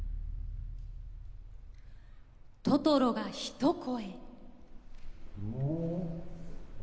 トトロが一声。